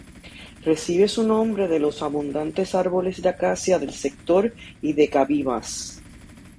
Recibe su nombre de los abundantes árboles de Acacia del sector y de Cabimas.